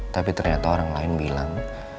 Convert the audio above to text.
tapi ternyata orang lain bilang